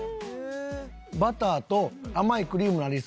バターと甘いクリームの味するやん。